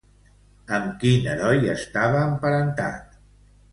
Amb quin heroi estava emparentat?